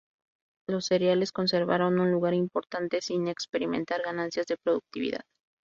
Los cereales conservaron un lugar importante, sin experimentar ganancias de productividad.